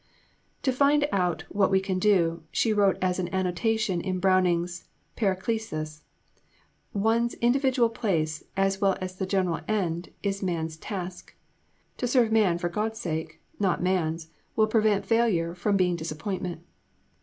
"To find out what we can do," she wrote as an annotation in Browning's Paracelsus, "one's individual place, as well as the General End, is man's task. To serve man for God's sake, not man's, will prevent failure from being disappointment."